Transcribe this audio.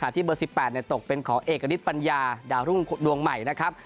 ที่เบอร์๑๘ตกเป็นของเอกณิตปัญญาดาวรุ่งดวงใหม่นะครับ